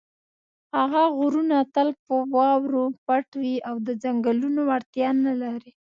هغه غرونه تل په واورو پټ وي او د څنګلونو وړتیا نه لري.